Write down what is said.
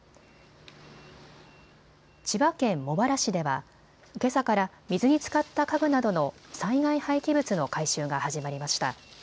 千葉県茂原市ではけさから水につかった家具などの災害廃棄物の回収が始まりました。